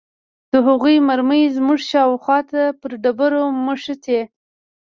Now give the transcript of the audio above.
د هغوې مرمۍ زموږ شاوخوا ته پر ډبرو مښتې.